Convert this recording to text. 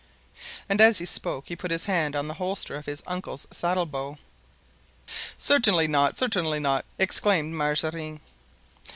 And as he spoke he put his hand on the holster of his uncle's saddle bow. "Certainly not! certainly not," exclaimed Mazarin.